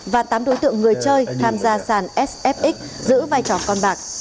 và tám đối tượng người chơi tham gia sàn sf giữ vai trò con bạc